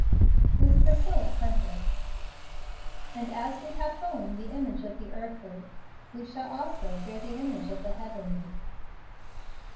Miss Priscilla Hunter. " And as we have borne the image of the earthly , we shall also bear the image of the heavenly."